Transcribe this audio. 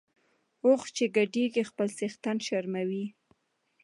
اوښ چی ګډیږي خپل څښتن شرموي .